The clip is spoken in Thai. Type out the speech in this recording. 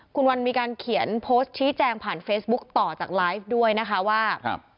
คุณวันมีการเขียนโพสต์ชี้แจงผ่านเฟซบุ๊คต่อจากไลฟ์ด้วยนะคะว่า